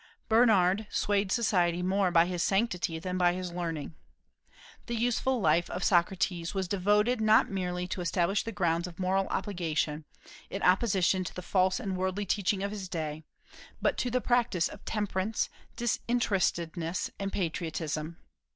Bernard swayed society more by his sanctity than by his learning. The useful life of Socrates was devoted not merely to establish the grounds of moral obligation, in opposition to the false and worldly teaching of his day, but to the practice of temperance, disinterestedness, and patriotism.